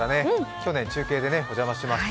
去年、中継でお邪魔しました。